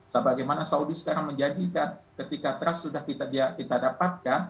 sebagaimana saudi sekarang menjanjikan ketika trust sudah kita dapatkan